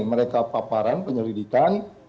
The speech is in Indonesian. mereka paparan penyelidikan